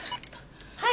はい。